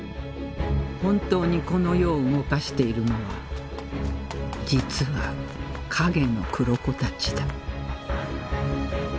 本当にこの世を動かしているのは実は影の黒子たちだ